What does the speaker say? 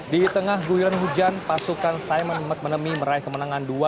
di tengah guyuran hujan pasukan simon mcmanamy meraih kemenangan dua